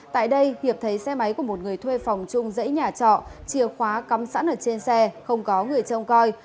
tại đây hiệp thấy xe máy của một người thuê phòng chung giấy nhà trọ chìa khóa cắm sẵn ở trên xe không có người trông coi